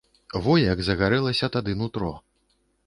Во як загарэлася тады нутро.